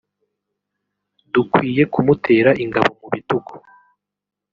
“Dukwiye kumutera ingabo mu bitugu